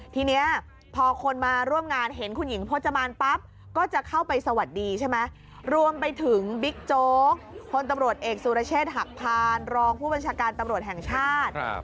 ทีนี้พอคนมาร่วมงานเห็นคุณหญิงพจมานปั๊บก็จะเข้าไปสวัสดีใช่ไหมรวมไปถึงบิ๊กโจ๊กคนตำรวจเอกสุรเชษฐ์หักพานรองผู้บัญชาการตำรวจแห่งชาติ